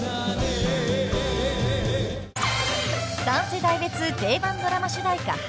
［３世代別定番ドラマ主題歌８選］